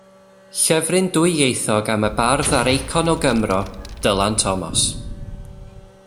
Llyfryn dwyieithog am y bardd a'r eicon o Gymro, Dylan Thomas.